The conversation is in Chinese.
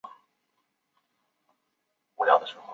已实施住居表示。